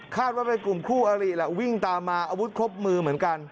ว่าเป็นกลุ่มคู่อริแหละวิ่งตามมาอาวุธครบมือเหมือนกัน